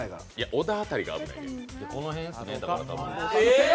小田辺りが危ないのよ。